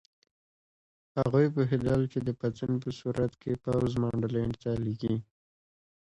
هغوی پوهېدل چې د پاڅون په صورت کې پوځ منډلینډ ته لېږي.